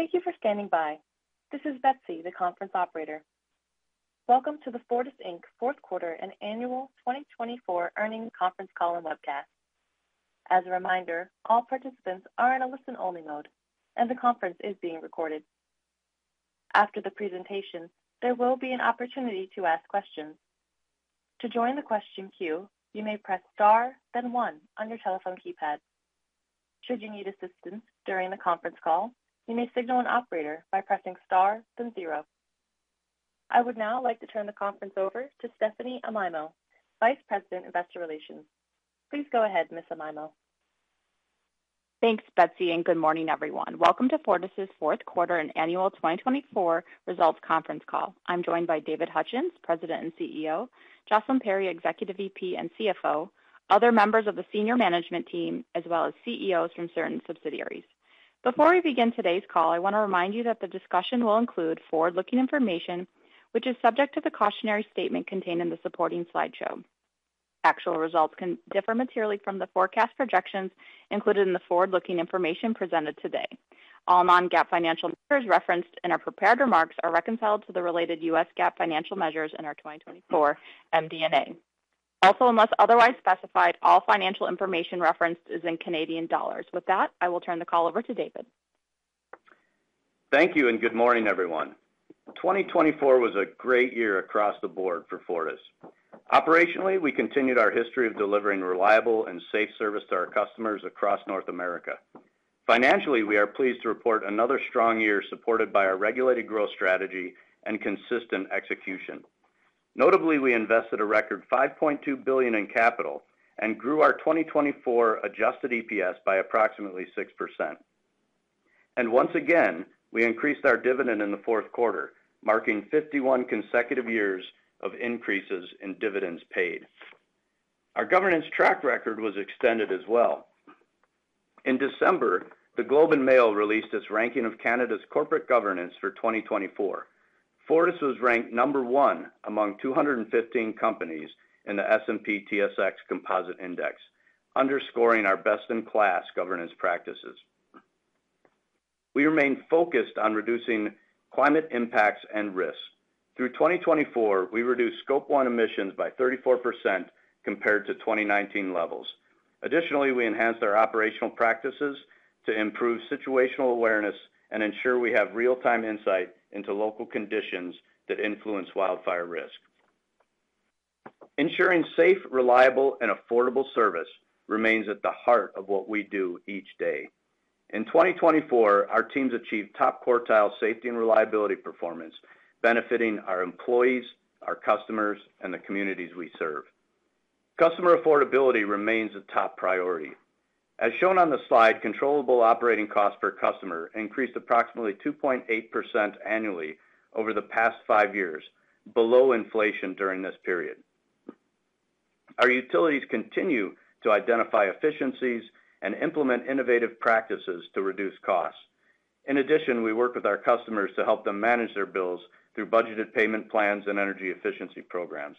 Thank you for standing by. This is Betsy, the conference operator. Welcome to the Fortis Inc. fourth quarter and annual 2024 earnings conference call and webcast. As a reminder, all participants are in a listen-only mode, and the conference is being recorded. After the presentation, there will be an opportunity to ask questions. To join the question queue, you may press star, then one, on your telephone keypad. Should you need assistance during the conference call, you may signal an operator by pressing star, then zero. I would now like to turn the conference over to Stephanie Amaimo, Vice President, Investor Relations. Please go ahead, Ms. Amaimo. Thanks, Betsy, and good morning, everyone. Welcome to Fortis' fourth quarter and annual 2024 results conference Call. I'm joined by David Hutchens, President and CEO, Jocelyn Perry, Executive VP and CFO, other members of the senior management team, as well as CEOs from certain subsidiaries. Before we begin today's call, I want to remind you that the discussion will include forward-looking information, which is subject to the cautionary statement contained in the supporting slideshow. Actual results can differ materially from the forecast projections included in the forward-looking information presented today. All non-GAAP financial measures referenced in our prepared remarks are reconciled to the related U.S. GAAP financial measures in our 2024 MD&A. Also, unless otherwise specified, all financial information referenced is in Canadian dollars. With that, I will turn the call over to David. Thank you and good morning, everyone. 2024 was a great year across the board for Fortis. Operationally, we continued our history of delivering reliable and safe service to our customers across North America. Financially, we are pleased to report another strong year supported by our regulated growth strategy and consistent execution. Notably, we invested a record 5.2 billion in capital and grew our 2024 Adjusted EPS by approximately 6%, and once again, we increased our dividend in the fourth quarter, marking 51 consecutive years of increases in dividends paid. Our governance track record was extended as well. In December, the Globe and Mail released its ranking of Canada's corporate governance for 2024. Fortis was ranked number one among 215 companies in the S&P/TSX Composite Index, underscoring our best-in-class governance practices. We remained focused on reducing climate impacts and risks. Through 2024, we reduced Scope 1 emissions by 34% compared to 2019 levels. Additionally, we enhanced our operational practices to improve situational awareness and ensure we have real-time insight into local conditions that influence wildfire risk. Ensuring safe, reliable, and affordable service remains at the heart of what we do each day. In 2024, our teams achieved top quartile safety and reliability performance, benefiting our employees, our customers, and the communities we serve. Customer affordability remains a top priority. As shown on the slide, controllable operating costs per customer increased approximately 2.8% annually over the past five years, below inflation during this period. Our utilities continue to identify efficiencies and implement innovative practices to reduce costs. In addition, we work with our customers to help them manage their bills through budgeted payment plans and energy efficiency programs.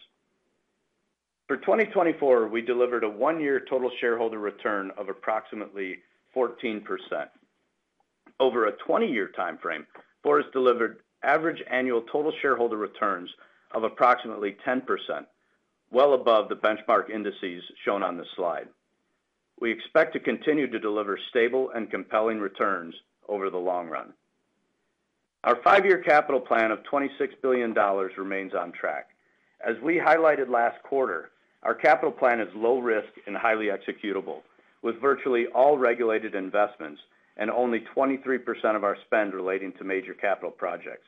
For 2024, we delivered a one-year total shareholder return of approximately 14%. Over a 20-year timeframe, Fortis delivered average annual total shareholder returns of approximately 10%, well above the benchmark indices shown on the slide. We expect to continue to deliver stable and compelling returns over the long run. Our five-year capital plan of 26 billion dollars remains on track. As we highlighted last quarter, our capital plan is low-risk and highly executable, with virtually all regulated investments and only 23% of our spend relating to major capital projects.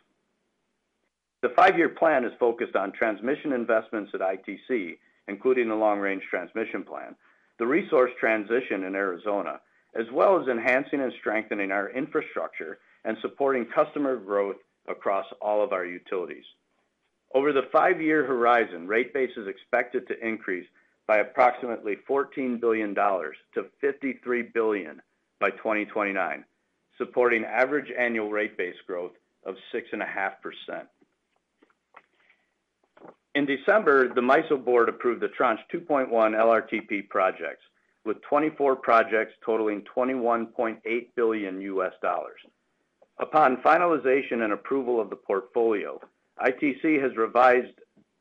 The five-year plan is focused on transmission investments at ITC, including a long-range transmission plan, the resource transition in Arizona, as well as enhancing and strengthening our infrastructure and supporting customer growth across all of our utilities. Over the five-year horizon, rate base is expected to increase by approximately 14 billion-53 billion dollars by 2029, supporting average annual rate base growth of 6.5%. In December, the MISO Board approved the Tranche 2.1 LRTP projects, with 24 projects totaling $21.8 billion. Upon finalization and approval of the portfolio, ITC has revised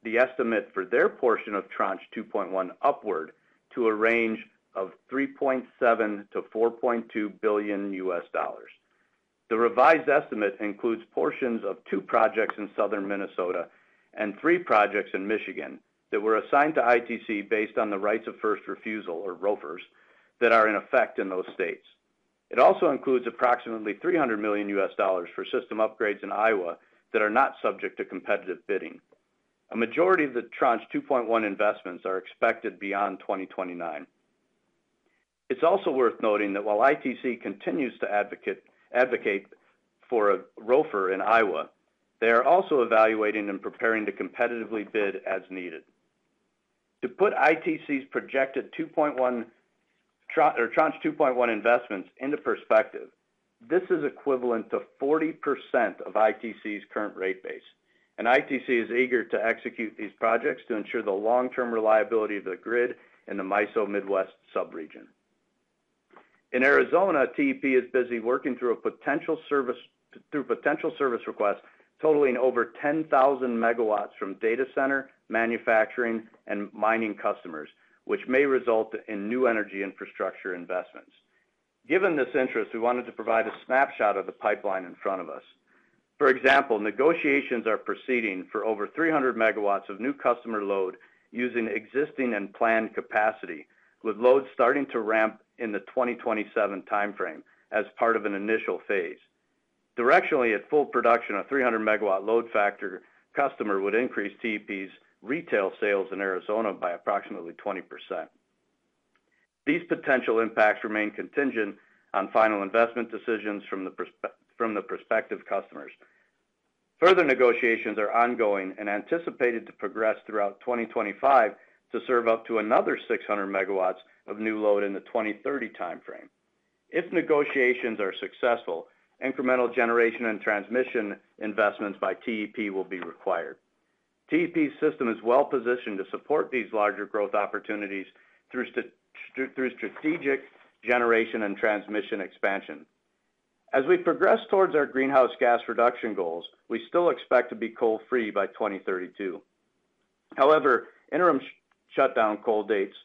the estimate for their portion of Tranche 2.1 upward to a range of $3.7-$4.2 billion. The revised estimate includes portions of two projects in southern Minnesota and three projects in Michigan that were assigned to ITC based on the rights of first refusal, or ROFRs, that are in effect in those states. It also includes approximately $300 million for system upgrades in Iowa that are not subject to competitive bidding. A majority of the Tranche 2.1 investments are expected beyond 2029. It's also worth noting that while ITC continues to advocate for a ROFR in Iowa, they are also evaluating and preparing to competitively bid as needed. To put ITC's projected Tranche 2.1 investments into perspective, this is equivalent to 40% of ITC's current rate base, and ITC is eager to execute these projects to ensure the long-term reliability of the grid in the MISO Midwest subregion. In Arizona, TEP is busy working through potential service requests totaling over 10,000 MW from data center, manufacturing, and mining customers, which may result in new energy infrastructure investments. Given this interest, we wanted to provide a snapshot of the pipeline in front of us. For example, negotiations are proceeding for over 300 MW of new customer load using existing and planned capacity, with loads starting to ramp in the 2027 timeframe as part of an initial phase. Directionally, at full production of 300 MW load factor, customer would increase TEP's retail sales in Arizona by approximately 20%. These potential impacts remain contingent on final investment decisions from the prospective customers. Further negotiations are ongoing and anticipated to progress throughout 2025 to serve up to another 600 MW of new load in the 2030 timeframe. If negotiations are successful, incremental generation and transmission investments by TEP will be required. TEP's system is well-positioned to support these larger growth opportunities through strategic generation and transmission expansion. As we progress towards our greenhouse gas reduction goals, we still expect to be coal-free by 2032. However, interim shutdown coal dates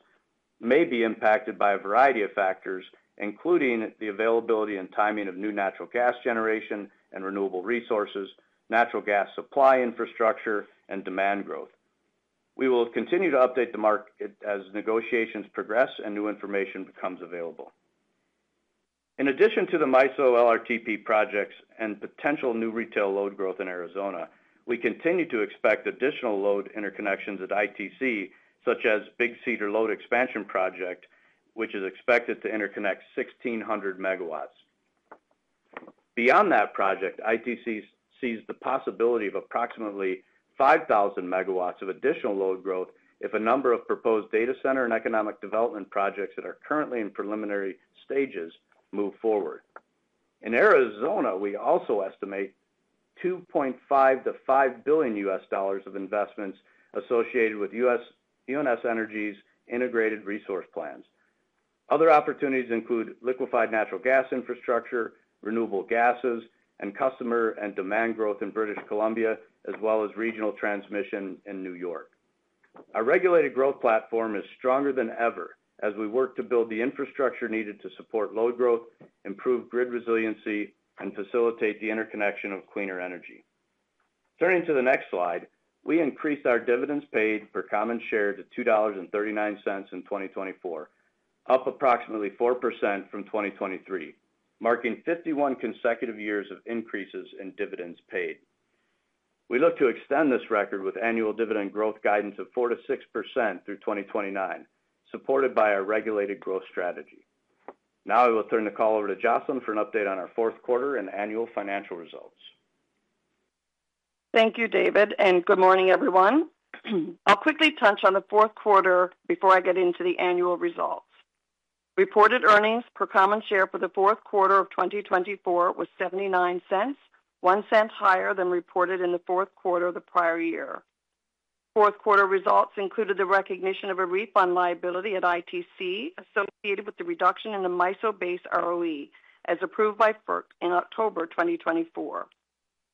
may be impacted by a variety of factors, including the availability and timing of new natural gas generation and renewable resources, natural gas supply infrastructure, and demand growth. We will continue to update the market as negotiations progress and new information becomes available. In addition to the MISO LRTP projects and potential new retail load growth in Arizona, we continue to expect additional load interconnections at ITC, such as Big Cedar Load Expansion Project, which is expected to interconnect 1,600 MW. Beyond that project, ITC sees the possibility of approximately 5,000 MW of additional load growth if a number of proposed data center and economic development projects that are currently in preliminary stages move forward. In Arizona, we also estimate $2.5-$5 billion of investments associated with UNS Energy's integrated resource plans. Other opportunities include liquefied natural gas infrastructure, renewable gases, and customer and demand growth in British Columbia, as well as regional transmission in New York. Our regulated growth platform is stronger than ever as we work to build the infrastructure needed to support load growth, improve grid resiliency, and facilitate the interconnection of cleaner energy. Turning to the next slide, we increased our dividends paid per common share to 2.39 dollars in 2024, up approximately 4% from 2023, marking 51 consecutive years of increases in dividends paid. We look to extend this record with annual dividend growth guidance of 4% to 6% through 2029, supported by our regulated growth strategy. Now I will turn the call over to Jocelyn for an update on our fourth quarter and annual financial results. Thank you, David, and good morning, everyone. I'll quickly touch on the fourth quarter before I get into the annual results. Reported earnings per common share for the fourth quarter of 2024 was 0.79, one cent higher than reported in the fourth quarter of the prior year. Fourth quarter results included the recognition of a refund liability at ITC associated with the reduction in the MISO-based ROE, as approved by FERC in October 2024.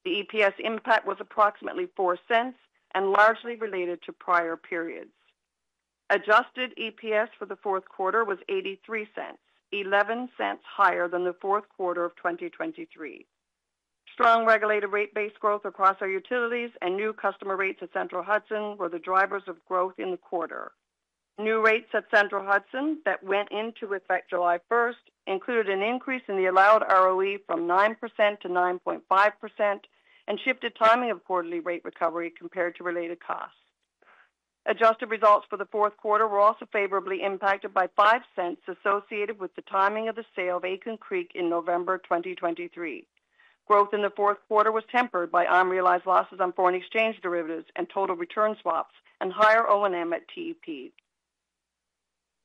The EPS impact was approximately 0.04 and largely related to prior periods. Adjusted EPS for the fourth quarter was 0.83, eleven cents higher than the fourth quarter of 2023. Strong regulated rate-based growth across our utilities and new customer rates at Central Hudson were the drivers of growth in the quarter. New rates at Central Hudson that went into effect July 1st included an increase in the allowed ROE from 9%-9.5% and shifted timing of quarterly rate recovery compared to related costs. Adjusted results for the fourth quarter were also favorably impacted by 0.05 associated with the timing of the sale of Aitken Creek in November 2023. Growth in the fourth quarter was tempered by unrealized losses on foreign exchange derivatives and total return swaps and higher O&M at TEP.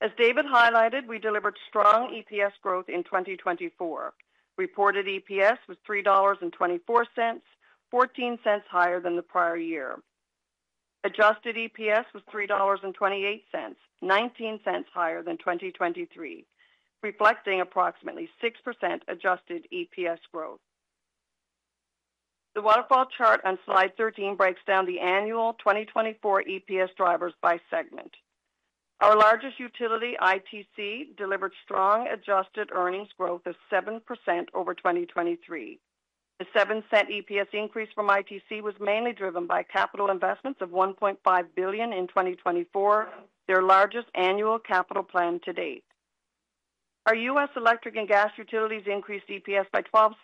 As David highlighted, we delivered strong EPS growth in 2024. Reported EPS was 3.24 dollars, 0.14 higher than the prior year. Adjusted EPS was 3.28 dollars, 0.19 higher than 2023, reflecting approximately 6% adjusted EPS growth. The waterfall chart on Slide 13 breaks down the annual 2024 EPS drivers by segment. Our largest utility, ITC, delivered strong adjusted earnings growth of 7% over 2023. The 0.07 EPS increase from ITC was mainly driven by capital investments of 1.5 billion in 2024, their largest annual capital plan to date. Our U.S. electric and gas utilities increased EPS by 0.12.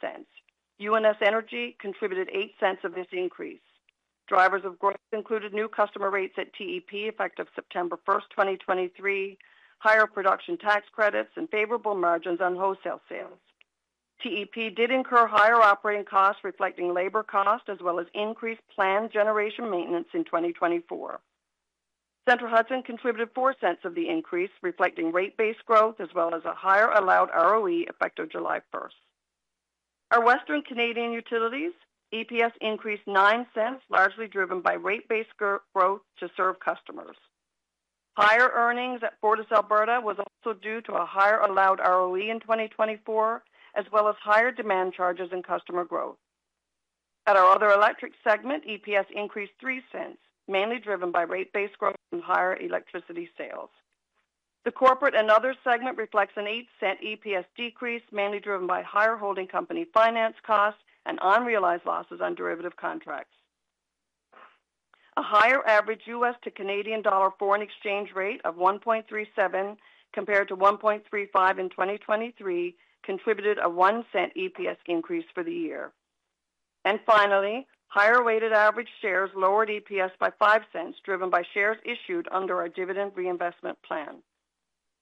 UNS Energy contributed 0.08 of this increase. Drivers of growth included new customer rates at TEP effective September 1st, 2023, higher production tax credits, and favorable margins on wholesale sales. TEP did incur higher operating costs reflecting labor costs as well as increased planned generation maintenance in 2024. Central Hudson contributed 0.04 of the increase, reflecting rate-based growth as well as a higher allowed ROE effective July 1st. Our Western Canadian utilities EPS increased 0.09, largely driven by rate-based growth to serve customers. Higher earnings at FortisAlberta was also due to a higher allowed ROE in 2024, as well as higher demand charges and customer growth. At our other electric segment, EPS increased 0.03, mainly driven by rate-based growth and higher electricity sales. The corporate and other segment reflects a 0.08 EPS decrease, mainly driven by higher holding company finance costs and unrealized losses on derivative contracts. A higher average U.S. to Canadian dollar foreign exchange rate of 1.37 compared to 1.35 in 2023 contributed a 0.01 EPS increase for the year. And finally, higher weighted average shares lowered EPS by 0.05, driven by shares issued under our dividend reinvestment plan.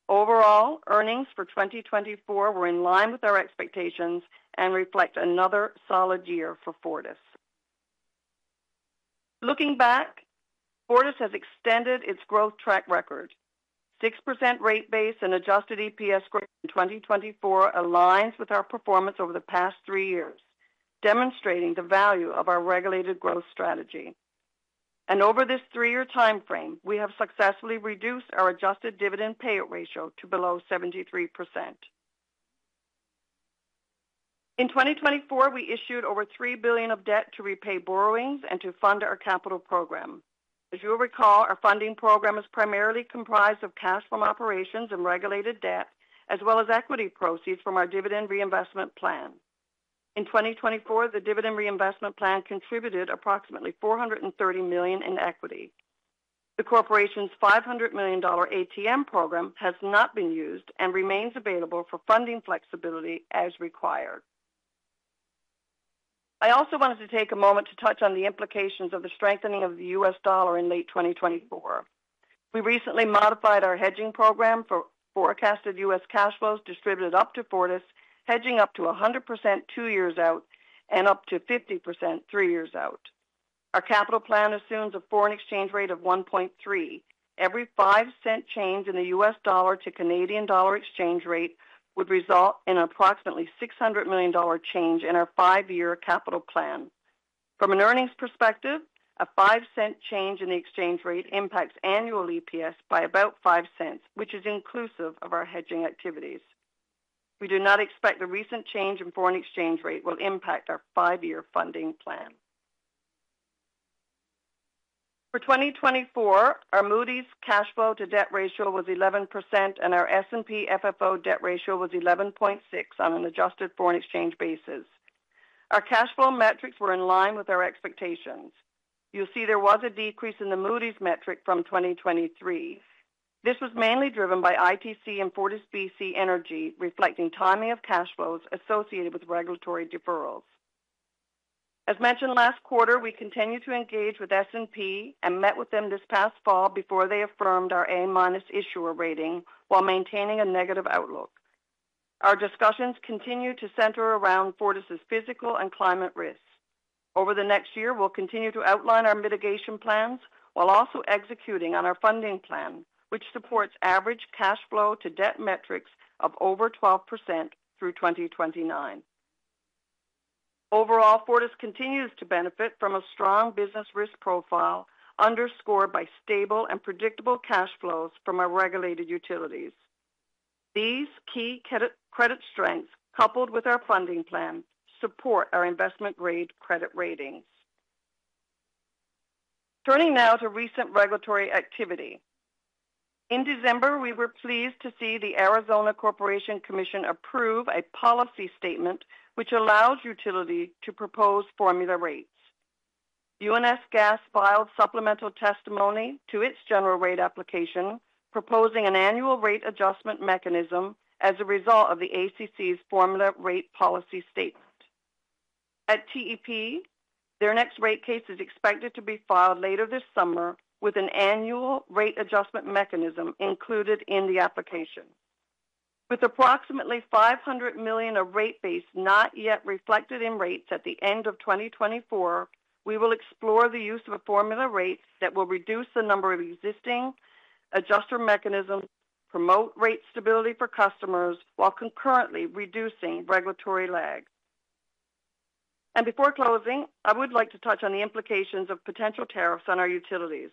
Overall, earnings for 2024 were in line with our expectations and reflect another solid year for Fortis. Looking back, Fortis has extended its growth track record. 6% rate base and adjusted EPS growth in 2024 aligns with our performance over the past three years, demonstrating the value of our regulated growth strategy. Over this three-year timeframe, we have successfully reduced our adjusted dividend payout ratio to below 73%. In 2024, we issued over 3 billion of debt to repay borrowings and to fund our capital program. As you'll recall, our funding program is primarily comprised of cash from operations and regulated debt, as well as equity proceeds from our dividend reinvestment plan. In 2024, the dividend reinvestment plan contributed approximately 430 million in equity. The corporation's 500 million dollar ATM program has not been used and remains available for funding flexibility as required. I also wanted to take a moment to touch on the implications of the strengthening of the U.S. dollar in late 2024. We recently modified our hedging program for forecasted U.S. cash flows distributed up to Fortis, hedging up to 100% two years out and up to 50% three years out. Our capital plan assumes a foreign exchange rate of 1.3. Every $0.05 change in the U.S. dollar to Canadian dollar exchange rate would result in an approximately 600 million dollar change in our five-year capital plan. From an earnings perspective, CAD 0.05change in the exchange rate impacts annual EPS by about 0.05, which is inclusive of our hedging activities. We do not expect the recent change in foreign exchange rate will impact our five-year funding plan. For 2024, our Moody's cash flow to debt ratio was 11%, and our S&P FFO debt ratio was 11.6% on an adjusted foreign exchange basis. Our cash flow metrics were in line with our expectations. You'll see there was a decrease in the Moody's metric from 2023. This was mainly driven by ITC and FortisBC Energy, reflecting timing of cash flows associated with regulatory deferrals. As mentioned last quarter, we continued to engage with S&P and met with them this past fall before they affirmed our A- issuer rating while maintaining a negative outlook. Our discussions continue to center around Fortis's physical and climate risks. Over the next year, we'll continue to outline our mitigation plans while also executing on our funding plan, which supports average cash flow to debt metrics of over 12% through 2029. Overall, Fortis continues to benefit from a strong business risk profile underscored by stable and predictable cash flows from our regulated utilities. These key credit strengths, coupled with our funding plan, support our investment-grade credit ratings. Turning now to recent regulatory activity. In December, we were pleased to see the Arizona Corporation Commission approve a policy statement which allows utility to propose formula rates. UNS Gas filed supplemental testimony to its general rate application, proposing an annual rate adjustment mechanism as a result of the ACC's formula rate policy statement. At TEP, their next rate case is expected to be filed later this summer with an annual rate adjustment mechanism included in the application. With approximately 500 million of rate base not yet reflected in rates at the end of 2024, we will explore the use of a formula rate that will reduce the number of existing adjuster mechanisms, promote rate stability for customers, while concurrently reducing regulatory lag, and before closing, I would like to touch on the implications of potential tariffs on our utilities.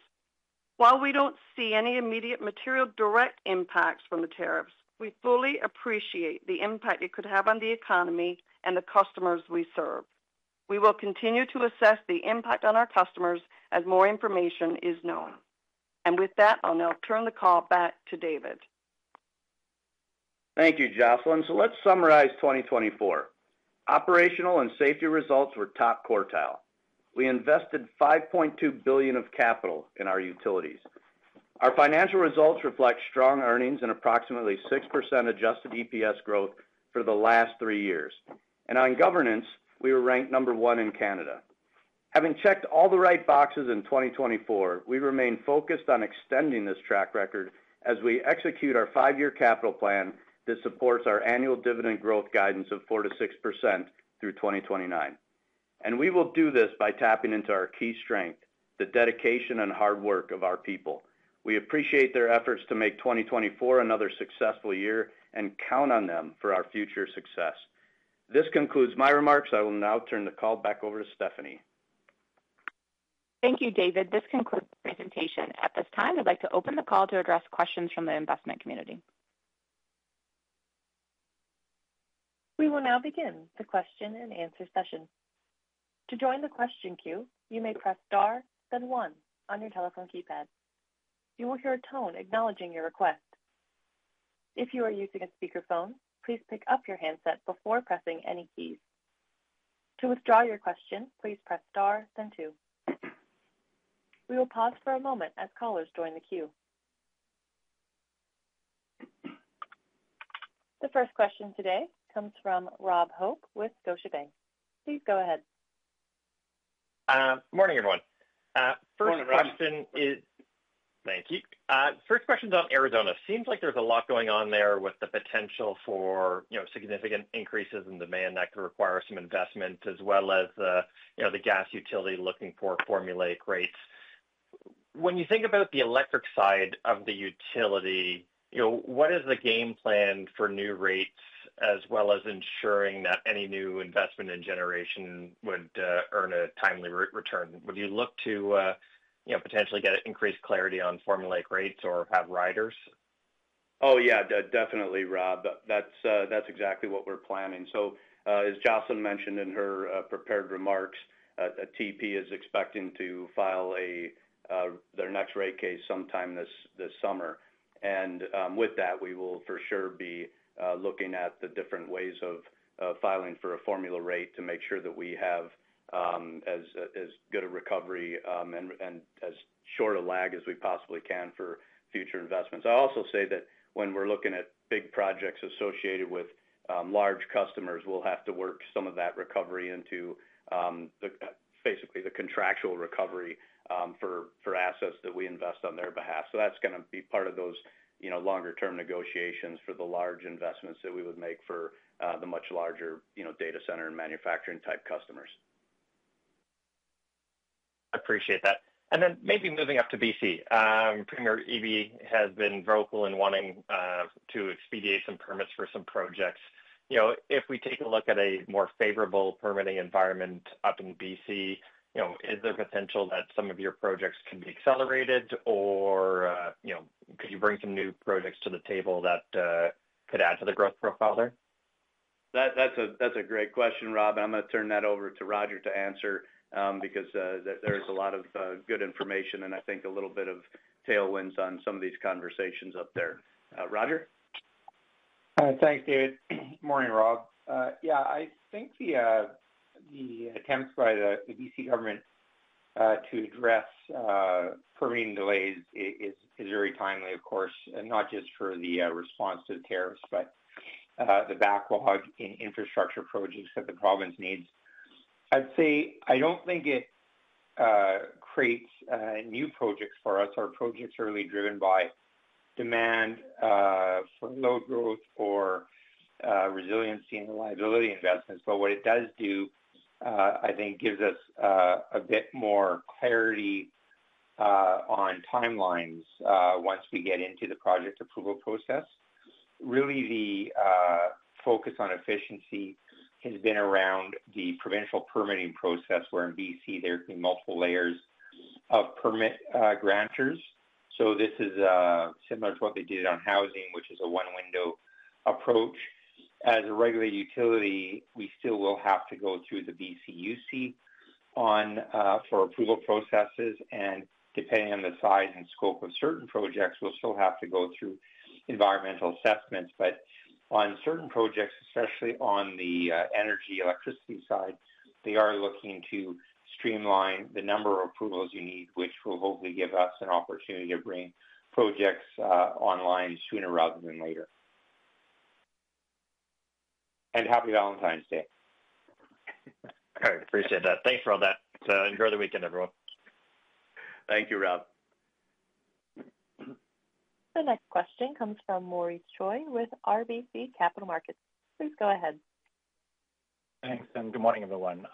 While we don't see any immediate material direct impacts from the tariffs, we fully appreciate the impact it could have on the economy and the customers we serve. We will continue to assess the impact on our customers as more information is known, and with that, I'll now turn the call back to David. Thank you, Jocelyn. So let's summarize 2024. Operational and safety results were top quartile. We invested 5.2 billion of capital in our utilities. Our financial results reflect strong earnings and approximately 6% adjusted EPS growth for the last three years. And on governance, we were ranked number one in Canada. Having checked all the right boxes in 2024, we remain focused on extending this track record as we execute our five-year capital plan that supports our annual dividend growth guidance of 4%-6% through 2029. And we will do this by tapping into our key strength, the dedication and hard work of our people. We appreciate their efforts to make 2024 another successful year and count on them for our future success. This concludes my remarks. I will now turn the call back over to Stephanie. Thank you, David. This concludes the presentation. At this time, I'd like to open the call to address questions from the investment community. We will now begin the question and answer session. To join the question queue, you may press star, then one on your telephone keypad. You will hear a tone acknowledging your request. If you are using a speakerphone, please pick up your handset before pressing any keys. To withdraw your question, please press star, then two. We will pause for a moment as callers join the queue. The first question today comes from Rob Hope with Scotiabank. Please go ahead. Good morning, everyone. First question is thank you. First question's on Arizona. Seems like there's a lot going on there with the potential for significant increases in demand that could require some investment, as well as the gas utility looking for formula rates. When you think about the electric side of the utility, what is the game plan for new rates, as well as ensuring that any new investment in generation would earn a timely return? Would you look to potentially get increased clarity on formula rates or have riders? Oh, yeah, definitely, Rob. That's exactly what we're planning. So, as Jocelyn mentioned in her prepared remarks, TEP is expecting to file their next rate case sometime this summer. And with that, we will for sure be looking at the different ways of filing for a formula rate to make sure that we have as good a recovery and as short a lag as we possibly can for future investments. I'll also say that when we're looking at big projects associated with large customers, we'll have to work some of that recovery into basically the contractual recovery for assets that we invest on their behalf. So that's going to be part of those longer-term negotiations for the large investments that we would make for the much larger data center and manufacturing-type customers. I appreciate that. And then maybe moving up to BC. Premier Eby has been vocal in wanting to expedite some permits for some projects. If we take a look at a more favorable permitting environment up in BC, is there potential that some of your projects can be accelerated, or could you bring some new projects to the table that could add to the growth profile there? That's a great question, Rob. I'm going to turn that over to Roger to answer because there's a lot of good information and I think a little bit of tailwinds on some of these conversations up there. Roger? Thanks, David. Morning, Rob. Yeah, I think the attempts by the BC government to address permitting delays is very timely, of course, not just for the response to the tariffs, but the backlog in infrastructure projects that the province needs. I'd say I don't think it creates new projects for us. Our projects are really driven by demand for load growth or resiliency and reliability investments. But what it does do, I think, gives us a bit more clarity on timelines once we get into the project approval process. Really, the focus on efficiency has been around the provincial permitting process, where in BC there can be multiple layers of permit granters. So this is similar to what they did on housing, which is a one-window approach. As a regulated utility, we still will have to go through the BCUC for approval processes. And depending on the size and scope of certain projects, we'll still have to go through environmental assessments. But on certain projects, especially on the energy electricity side, they are looking to streamline the number of approvals you need, which will hopefully give us an opportunity to bring projects online sooner rather than later. And happy Valentine's Day. All right. Appreciate that. Thanks for all that. Enjoy the weekend, everyone. Thank you, Rob. The next question comes from Maurice Choy with RBC Capital Markets. Please go ahead. Thanks. And good morning, everyone.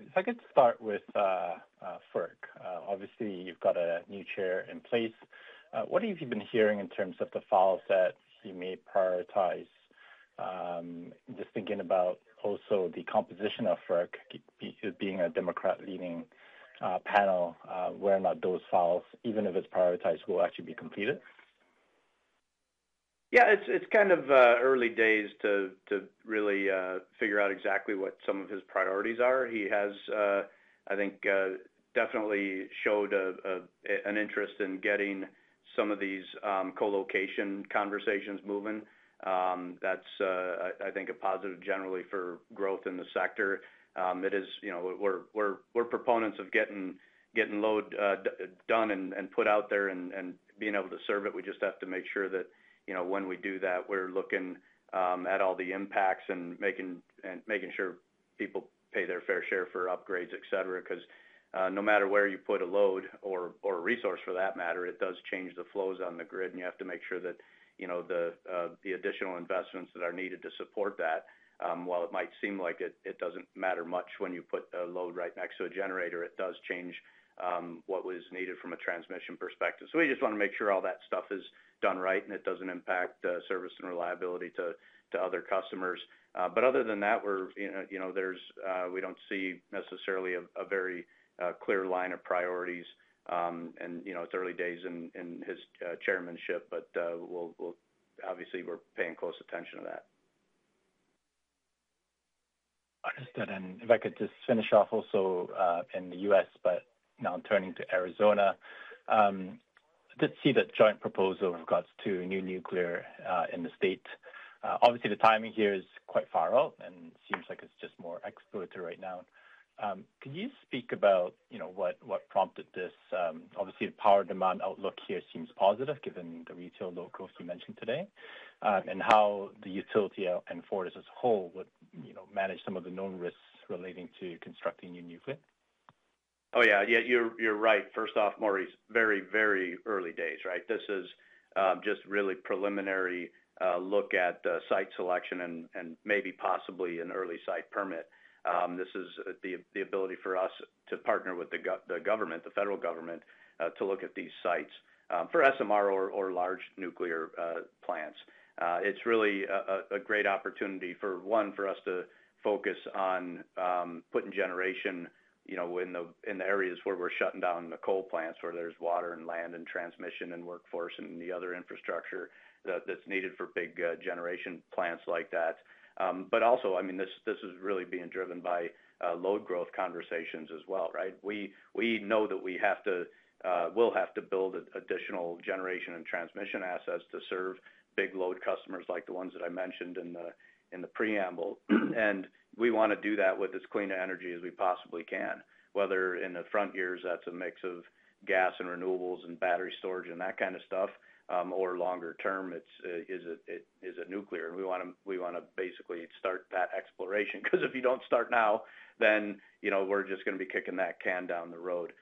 If I could start with FERC, obviously you've got a new chair in place. What have you been hearing in terms of the files that you may prioritize? Just thinking about also the composition of FERC, being a Democrat-leaning panel, whether or not those files, even if it's prioritized, will actually be completed? Yeah, it's kind of early days to really figure out exactly what some of his priorities are. He has, I think, definitely showed an interest in getting some of these co-location conversations moving. That's, I think, a positive generally for growth in the sector. It is, we're proponents of getting load done and put out there and being able to serve it. We just have to make sure that when we do that, we're looking at all the impacts and making sure people pay their fair share for upgrades, etc., because no matter where you put a load or a resource for that matter, it does change the flows on the grid. And you have to make sure that the additional investments that are needed to support that, while it might seem like it doesn't matter much when you put a load right next to a generator, it does change what was needed from a transmission perspective. So we just want to make sure all that stuff is done right and it doesn't impact service and reliability to other customers. But other than that, we don't see necessarily a very clear line of priorities. And it's early days in his chairmanship, but obviously we're paying close attention to that. Understood, and if I could just finish off also in the U.S., but now turning to Arizona. I did see the joint proposal in regards to new nuclear in the state. Obviously, the timing here is quite far out and seems like it's just more exploratory right now. Could you speak about what prompted this? Obviously, the power demand outlook here seems positive given the retail load growth you mentioned today and how the utility and Fortis as a whole would manage some of the known risks relating to constructing new nuclear. Oh, yeah. Yeah, you're right. First off, Maurice, very, very early days, right? This is just really preliminary look at site selection and maybe possibly an early site permit. This is the ability for us to partner with the government, the federal government, to look at these sites for SMR or large nuclear plants. It's really a great opportunity for, one, for us to focus on putting generation in the areas where we're shutting down the coal plants, where there's water and land and transmission and workforce and the other infrastructure that's needed for big generation plants like that. But also, I mean, this is really being driven by load growth conversations as well, right? We know that we will have to build additional generation and transmission assets to serve big load customers like the ones that I mentioned in the preamble. And we want to do that with as clean energy as we possibly can, whether in the frontiers, that's a mix of gas and renewables and battery storage and that kind of stuff, or longer term, is it nuclear. We want to basically start that exploration because if you don't start now, then we're just going to be kicking that can down the road.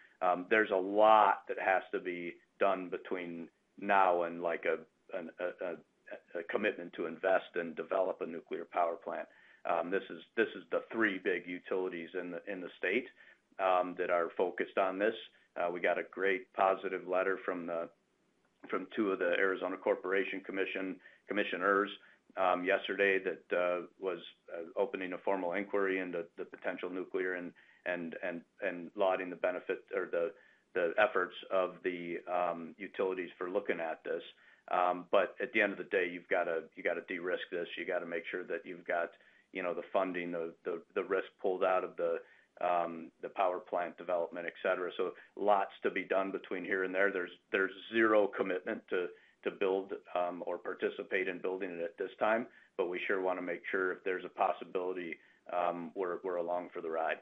There's a lot that has to be done between now and a commitment to invest and develop a nuclear power plant. This is the three big utilities in the state that are focused on this. We got a great positive letter from two of the Arizona Corporation Commissioners yesterday that was opening a formal inquiry into the potential nuclear and lauding the benefit or the efforts of the utilities for looking at this. But at the end of the day, you've got to de-risk this. You've got to make sure that you've got the funding, the risk pulled out of the power plant development, etc. So lots to be done between here and there. There's zero commitment to build or participate in building it at this time, but we sure want to make sure if there's a possibility we're along for the ride.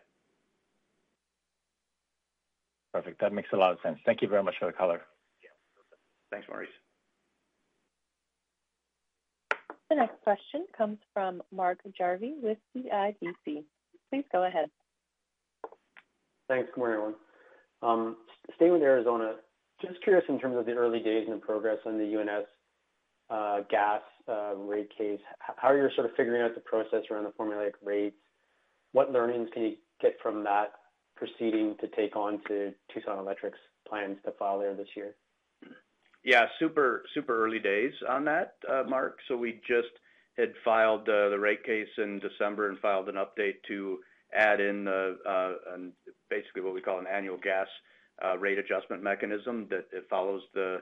Perfect. That makes a lot of sense. Thank you very much for the color. Yeah. Thanks, Maurice. The next question comes from Mark Jarvi with CIBC. Please go ahead. Thanks, everyone. Staying with Arizona, just curious in terms of the early days and the progress on the UNS Gas rate case, how are you sort of figuring out the process around the formula rates? What learnings can you get from that proceeding to take on to Tucson Electric's plans to file there this year? Yeah, super early days on that, Mark. So we just had filed the rate case in December and filed an update to add in basically what we call an annual gas rate adjustment mechanism that follows the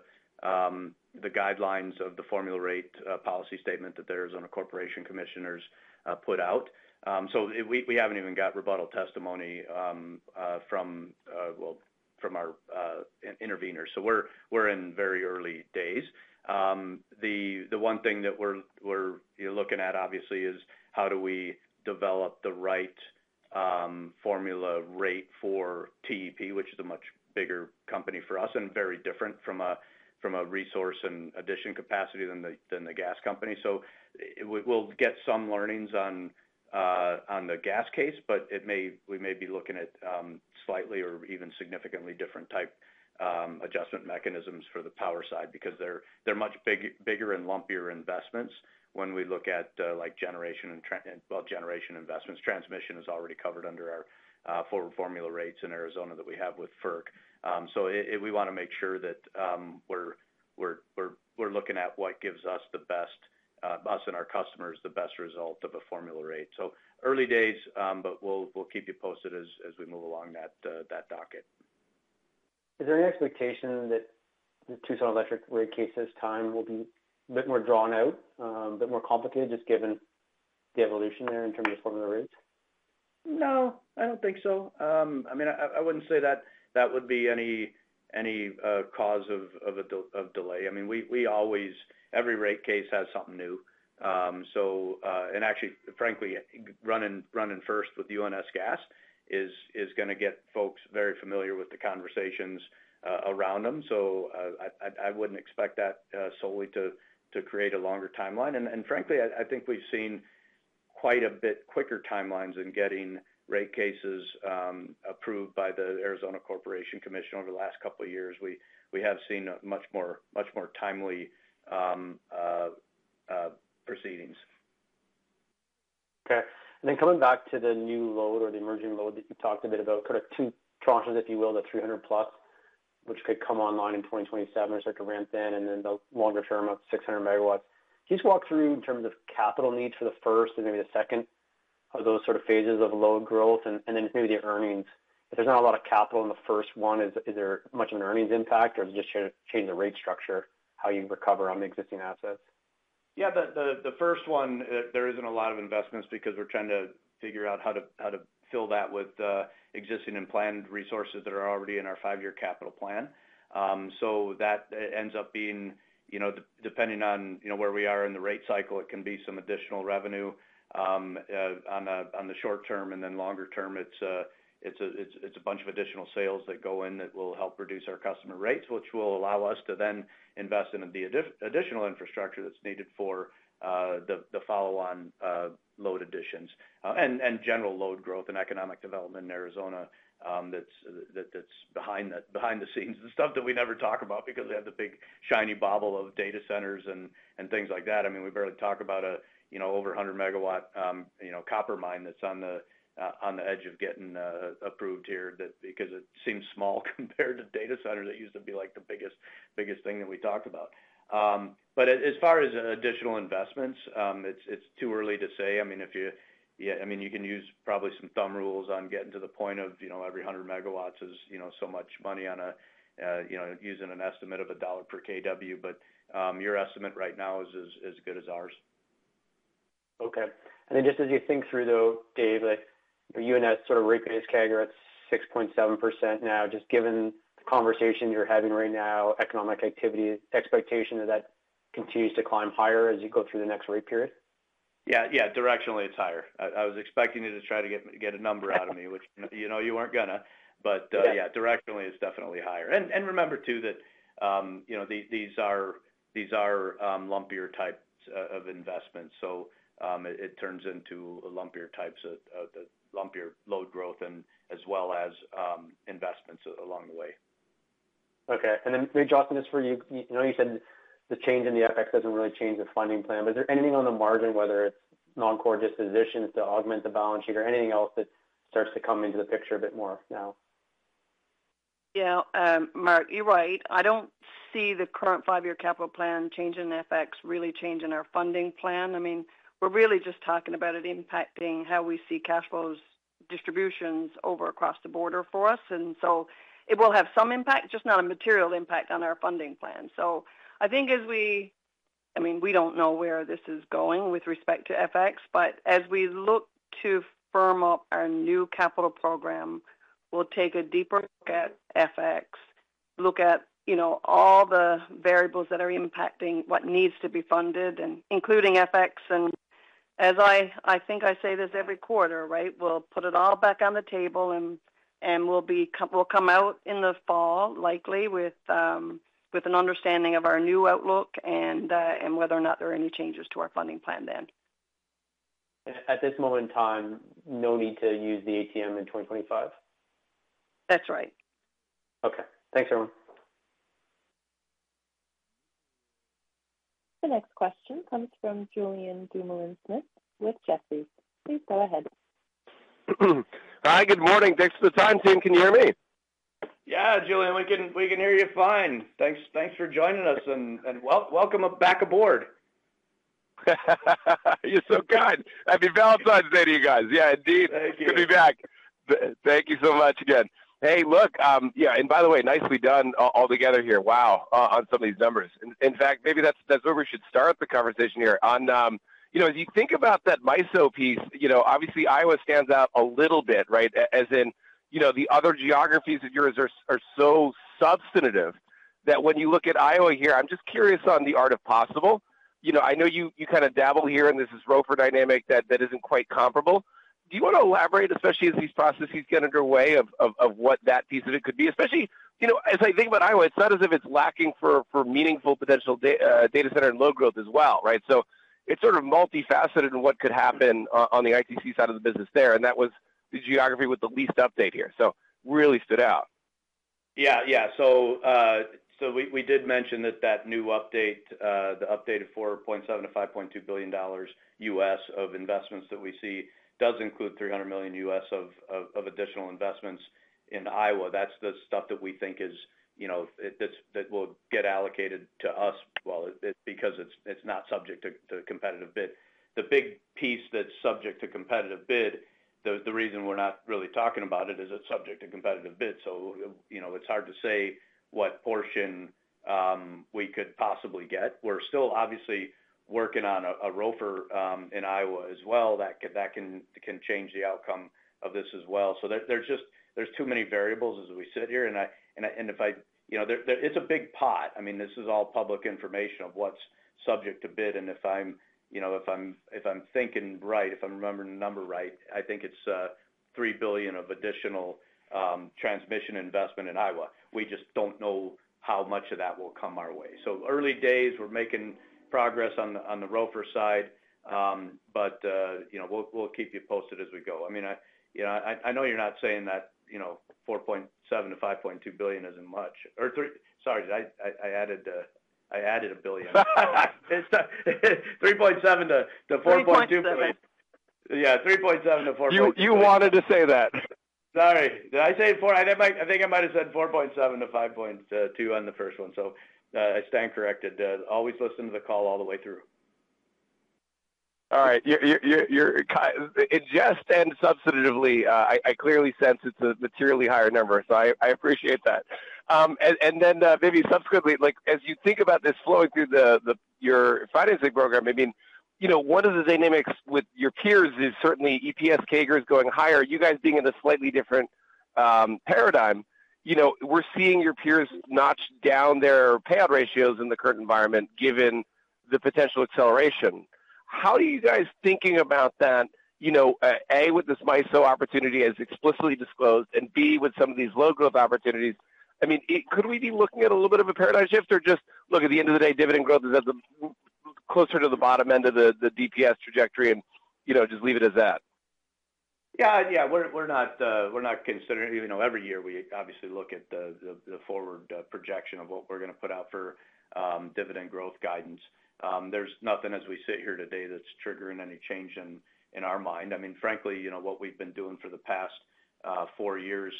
guidelines of the formula rate policy statement that the Arizona Corporation Commission put out. So we haven't even got rebuttal testimony from our interveners. So we're in very early days. The one thing that we're looking at, obviously, is how do we develop the right formula rate for TEP, which is a much bigger company for us and very different from a resource and addition capacity than the gas company. So we'll get some learnings on the gas case, but we may be looking at slightly or even significantly different type adjustment mechanisms for the power side because they're much bigger and lumpier investments when we look at generation and, well, generation investments. Transmission is already covered under our formula rates in Arizona that we have with FERC. So we want to make sure that we're looking at what gives us and our customers the best result of a formula rate, so early days, but we'll keep you posted as we move along that docket. Is there any expectation that the Tucson Electric rate case this time will be a bit more drawn out, a bit more complicated just given the evolution there in terms of formula rates? No, I don't think so. I mean, I wouldn't say that that would be any cause of delay. I mean, every rate case has something new. And actually, frankly, running first with UNS Gas is going to get folks very familiar with the conversations around them. So I wouldn't expect that solely to create a longer timeline. And frankly, I think we've seen quite a bit quicker timelines in getting rate cases approved by the Arizona Corporation Commission over the last couple of years. We have seen much more timely proceedings. Okay, and then coming back to the new load or the emerging load that you talked a bit about, sort of two tranches, if you will, the 300+, which could come online in 2027 or start to ramp in, and then the longer term of 600 MW. Can you just walk through in terms of capital needs for the first and maybe the second of those sort of phases of load growth and then maybe the earnings? If there's not a lot of capital in the first one, is there much of an earnings impact, or does it just change the rate structure, how you recover on the existing assets? Yeah, the first one, there isn't a lot of investments because we're trying to figure out how to fill that with existing and planned resources that are already in our five-year capital plan. So that ends up being, depending on where we are in the rate cycle, it can be some additional revenue on the short term. And then longer term, it's a bunch of additional sales that go in that will help reduce our customer rates, which will allow us to then invest in the additional infrastructure that's needed for the follow-on load additions and general load growth and economic development in Arizona that's behind the scenes. The stuff that we never talk about because we have the big shiny bauble of data centers and things like that. I mean, we barely talk about an over 100 MW copper mine that's on the edge of getting approved here because it seems small compared to data centers. It used to be like the biggest thing that we talked about. But as far as additional investments, it's too early to say. I mean, you can use probably some rules of thumb on getting to the point of every 100 MW is so much money on, using an estimate of CAD 1 per kW, but your estimate right now is as good as ours. Okay. And then just as you think through though, David, UNS sort of rate-based CAGR at 6.7% now, just given the conversation you're having right now, economic activity expectation that that continues to climb higher as you go through the next rate period? Yeah. Yeah. Directionally, it's higher. I was expecting you to try to get a number out of me, which you weren't going to. But yeah, directionally, it's definitely higher. And remember too that these are lumpier types of investments. So it turns into lumpier types of lumpier load growth as well as investments along the way. Okay. And then maybe just for you, I know you said the change in the FX doesn't really change the funding plan, but is there anything on the margin, whether it's non-core dispositions to augment the balance sheet or anything else that starts to come into the picture a bit more now? Yeah. Mark, you're right. I don't see the current five-year capital plan changing the FX, really changing our funding plan. I mean, we're really just talking about it impacting how we see cash flows distributions across the border for us. And so it will have some impact, just not a material impact on our funding plan. So I think I mean, we don't know where this is going with respect to FX, but as we look to firm up our new capital program, we'll take a deeper look at FX, look at all the variables that are impacting what needs to be funded, including FX. As I think I say this every quarter, right, we'll put it all back on the table and we'll come out in the fall likely with an understanding of our new outlook and whether or not there are any changes to our funding plan then. At this moment in time, no need to use the ATM in 2025? That's right. Okay. Thanks, everyone. The next question comes from Julien Dumolin-Smith with Jefferies. Please go ahead. Hi, good morning. Thanks for the time, David. Can you hear me? Yeah, Julien, we can hear you fine. Thanks for joining us and welcome back aboard. You're so kind. I've been vouched on today to you guys. Yeah, indeed. Thank you. Good to be back. Thank you so much again. Hey, look, yeah. And by the way, nicely done altogether here. Wow, on some of these numbers. In fact, maybe that's where we should start the conversation here. As you think about that MISO piece, obviously Iowa stands out a little bit, right? As in the other geographies of yours are so substantive that when you look at Iowa here, I'm just curious on the art of possible. I know you kind of dabble here in this ROFR dynamic that isn't quite comparable. Do you want to elaborate, especially as these processes get underway, of what that piece of it could be? Especially as I think about Iowa, it's not as if it's lacking for meaningful potential data center and load growth as well, right? So it's sort of multifaceted in what could happen on the ITC side of the business there. And that was the geography with the least update here. So really stood out. Yeah. Yeah. So we did mention that new update, the updated $4.7 billion-$5.2 billion of investments that we see does include $300 million of additional investments in Iowa. That's the stuff that we think that will get allocated to us. Well, because it's not subject to competitive bid. The big piece that's subject to competitive bid, the reason we're not really talking about it is it's subject to competitive bid. So it's hard to say what portion we could possibly get. We're still obviously working on a ROFR in Iowa as well that can change the outcome of this as well. So there's too many variables as we sit here. And if it's a big pot. I mean, this is all public information of what's subject to bid. If I'm thinking right, if I'm remembering the number right, I think it's $3 billion of additional transmission investment in Iowa. We just don't know how much of that will come our way. Early days, we're making progress on the ROFR side, but we'll keep you posted as we go. I mean, I know you're not saying that $4.7 billion-$5.2 billion isn't much. Sorry, I added a billion. $3.7 billion-$4.2 billion. Yeah, $3.7 billion-$4.2 billion. You wanted to say that. Sorry. Did I say four? I think I might have said $4.7 billion-$5.2 billion on the first one. So I stand corrected. Always listen to the call all the way through. All right. You're just and substantively, I clearly sense it's a materially higher number. So I appreciate that. And then maybe subsequently, as you think about this flowing through your financing program, I mean, one of the dynamics with your peers is certainly EPS CAGRs going higher. You guys being in a slightly different paradigm, we're seeing your peers notch down their payout ratios in the current environment given the potential acceleration. How are you guys thinking about that, A, with this MISO opportunity as explicitly disclosed, and B, with some of these low-growth opportunities? I mean, could we be looking at a little bit of a paradigm shift or just, look, at the end of the day, dividend growth is closer to the bottom end of the DPS trajectory and just leave it as that? Yeah. Yeah. We're not considering every year. We obviously look at the forward projection of what we're going to put out for dividend growth guidance. There's nothing as we sit here today that's triggering any change in our mind. I mean, frankly, what we've been doing for the past four years,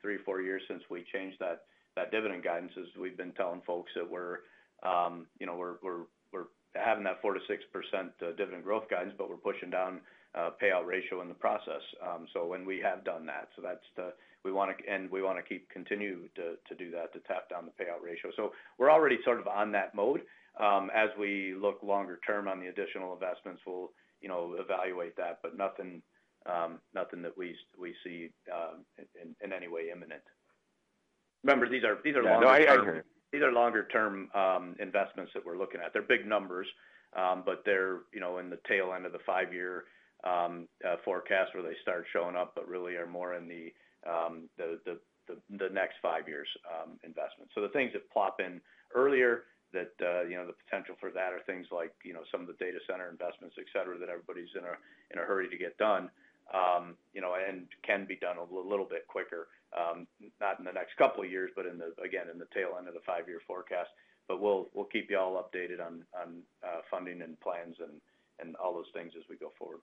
three, four years since we changed that dividend guidance is we've been telling folks that we're having that 4%-6% dividend growth guidance, but we're pushing down payout ratio in the process. So when we have done that, so that's the end, we want to keep continue to do that to tap down the payout ratio. So we're already sort of on that mode. As we look longer term on the additional investments, we'll evaluate that, but nothing that we see in any way imminent. Remember, these are longer-term. No, I hear you. These are longer-term investments that we're looking at. They're big numbers, but they're in the tail end of the five-year forecast where they start showing up, but really are more in the next five years investments, so the things that plop in earlier that the potential for that are things like some of the data center investments, etc., that everybody's in a hurry to get done and can be done a little bit quicker, not in the next couple of years, but again, in the tail end of the five-year forecast, but we'll keep you all updated on funding and plans and all those things as we go forward.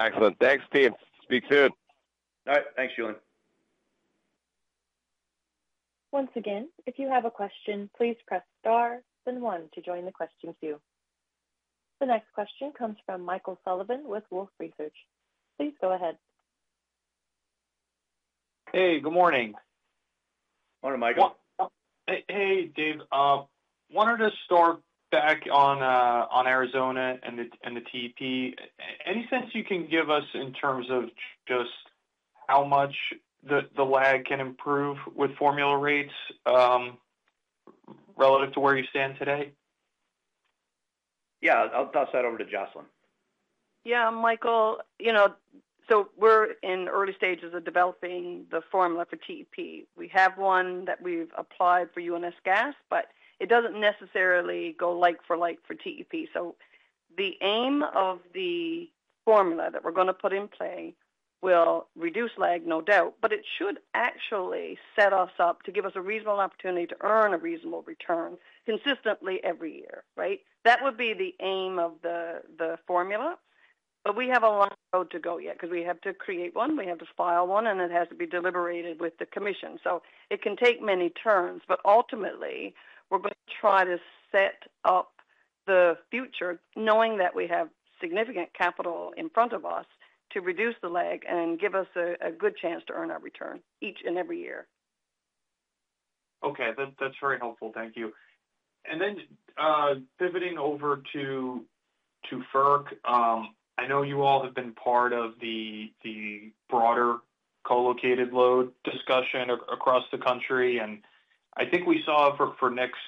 Excellent. Thanks, team. Speak soon. All right. Thanks, Julian. Once again, if you have a question, please press star then one to join the question queue. The next question comes from Michael Sullivan with Wolfe Research. Please go ahead. Hey, good morning. Morning, Michael. Hey, Dave. Wanted to start back on Arizona and the TEP. Any sense you can give us in terms of just how much the lag can improve with formula rates relative to where you stand today? Yeah. I'll toss that over to Jocelyn. Yeah, Michael. So we're in early stages of developing the formula for TEP. We have one that we've applied for UNS Gas, but it doesn't necessarily go like for like for TEP. So the aim of the formula that we're going to put in play will reduce lag, no doubt, but it should actually set us up to give us a reasonable opportunity to earn a reasonable return consistently every year, right? That would be the aim of the formula. But we have a long road to go yet because we have to create one, we have to file one, and it has to be deliberated with the commission. It can take many turns, but ultimately, we're going to try to set up the future knowing that we have significant capital in front of us to reduce the lag and give us a good chance to earn our return each and every year. Okay. That's very helpful. Thank you. And then pivoting over to FERC, I know you all have been part of the broader co-located load discussion across the country. And I think we saw for next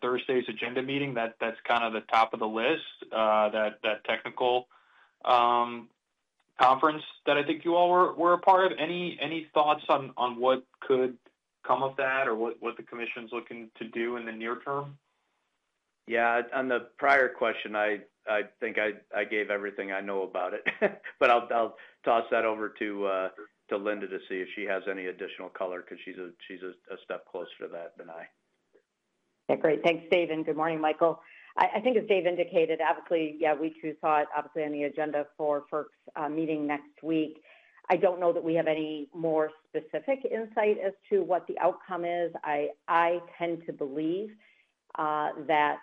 Thursday's agenda meeting that that's kind of the top of the list, that technical conference that I think you all were a part of. Any thoughts on what could come of that or what the commission's looking to do in the near term? Yeah. On the prior question, I think I gave everything I know about it, but I'll toss that over to Linda to see if she has any additional color because she's a step closer to that than I. Okay. Great. Thanks, Dave, and good morning, Michael. I think as Dave indicated, obviously, yeah, we too saw it obviously on the agenda for FERC's meeting next week. I don't know that we have any more specific insight as to what the outcome is. I tend to believe that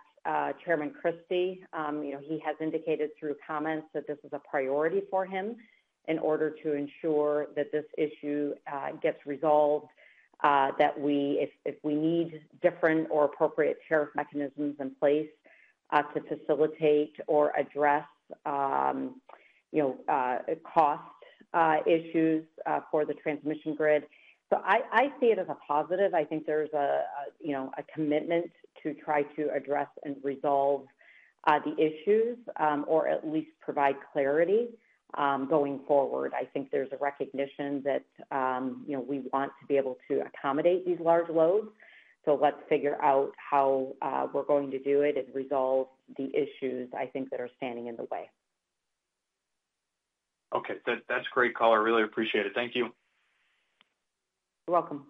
Chairman Christie, he has indicated through comments that this is a priority for him in order to ensure that this issue gets resolved, that if we need different or appropriate tariff mechanisms in place to facilitate or address cost issues for the transmission grid. So I see it as a positive. I think there's a commitment to try to address and resolve the issues or at least provide clarity going forward. I think there's a recognition that we want to be able to accommodate these large loads. So let's figure out how we're going to do it and resolve the issues I think that are standing in the way. Okay. That's great, color. I really appreciate it. Thank you. You're welcome.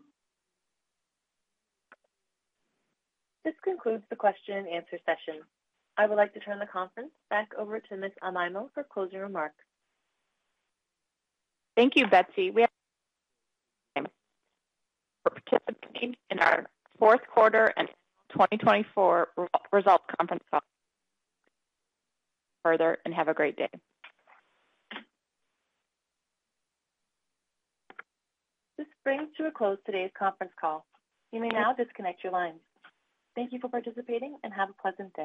This concludes the question and answer session. I would like to turn the conference back over to Ms. Amaimo for closing remarks. Thank you, Betsy. Thank you all for participating in our fourth quarter 2024 results conference call. Thank you, and have a great day. This brings to a close today's conference call. You may now disconnect your lines. Thank you for participating and have a pleasant day.